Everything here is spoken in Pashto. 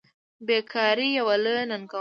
بیکاري یوه لویه ننګونه ده.